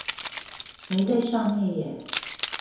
沒在上面耶